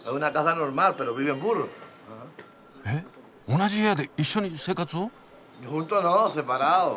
同じ家で一緒に生活を？